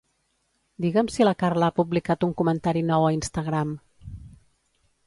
Digue'm si la Carla ha publicat un comentari nou a Instagram.